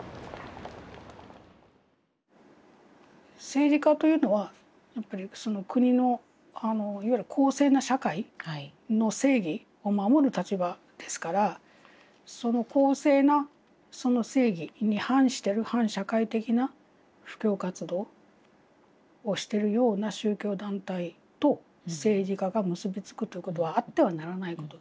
政治家というのは国のいわゆる公正な社会の正義を守る立場ですからその公正なその正義に反してる反社会的な布教活動をしてるような宗教団体と政治家が結び付くということはあってはならないこと。